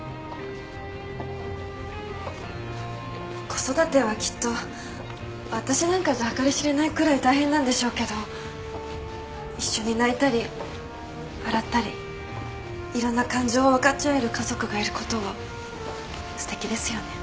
子育てはきっと私なんかじゃ計り知れないくらい大変なんでしょうけど一緒に泣いたり笑ったりいろんな感情を分かち合える家族がいることはすてきですよね。